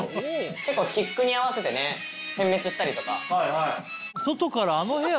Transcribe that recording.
結構キックに合わせてね点滅したりとか。